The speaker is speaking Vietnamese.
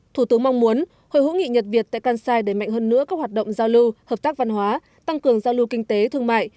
thủ tướng mong muốn hội hữu nghị nhật việt tại kansai đẩy mạnh hơn nữa các hoạt động giao lưu hợp tác văn hóa tăng cường giao lưu kinh tế thương mại